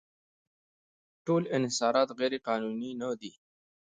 ټول انحصارات غیرقانوني نه دي.